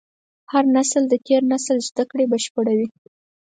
هر نسل د تېر نسل زدهکړې بشپړوي.